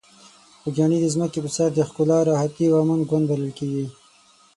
خوږیاڼي د ځمکې په سر د ښکلا، راحتي او امن ګوند بلل کیږي.